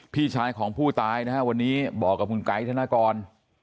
พี่ชายของผู้ตายนะฮะวันนี้บอกกับคุณไกด์ธนกร